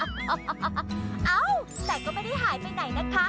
แสดงก็ไม่ได้หายไปไหนนะคะก็อยู่บ้านนั่นแหละค่ะ